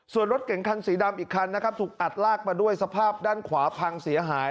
ส่วนรถเก่งคันสีดำอีกคันนะครับถูกอัดลากมาด้วยสภาพด้านขวาพังเสียหาย